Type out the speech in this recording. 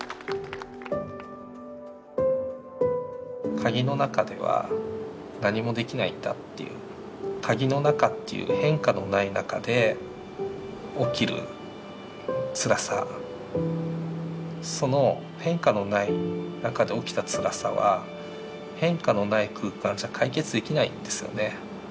鍵の中では何もできないんだっていう鍵の中っていう変化のない中で起きるつらさその変化のない中で起きたつらさは変化のない空間じゃ解決できないんですよね。